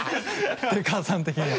寺川さん的には。